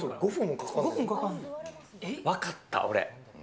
分かった、俺。